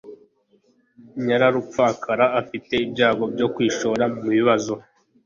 Nyararupfakara afite ibyago byo kwishora mubibazo.